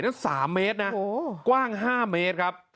๓เมตรนะกว้าง๕เมตรครับ